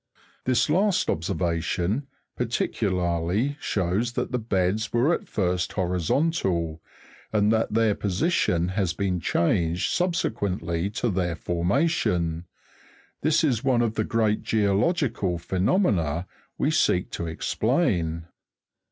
This last observation, particularly, shows that the beds were at first horizontal (Jig. 254), and that their posi tion has been changed subsequently to their formation ; this is one of the great geological phenomena we seek to explain.